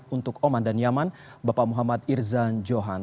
untuk oman dan yaman bapak muhammad irzan johan